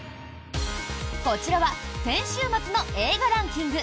こちらは、先週末の映画ランキング。